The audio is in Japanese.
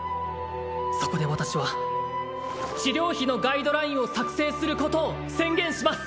そこで私は治療費のガイドラインを作成することを宣言します